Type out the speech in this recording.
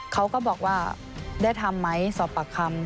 เขาก็บอกว่าได้ทำไหมสอบปากคำ